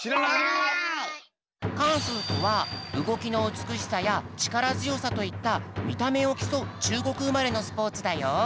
カンフーとはうごきのうつくしさやちからづよさといったみためをきそうちゅうごくうまれのスポーツだよ。